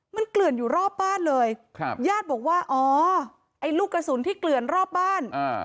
มันเกลื่อนอยู่รอบบ้านเลยครับญาติบอกว่าอ๋อไอ้ลูกกระสุนที่เกลื่อนรอบบ้าน